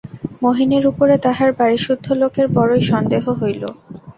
মোহিনীর উপরে তাহার বাড়িসুদ্ধ লোকের বড়োই সন্দেহ হইল।